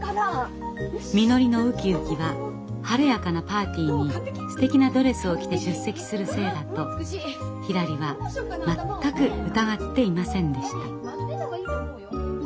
みのりのウキウキは晴れやかなパーティーにすてきなドレスを着て出席するせいだとひらりは全く疑っていませんでした。